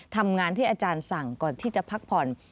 ทำงานที่อาจารย์สั่งก่อนที่จะพักผ่อน